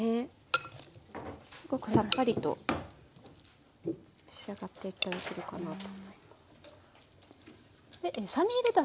すごくさっぱりと仕上がって頂けるかなと。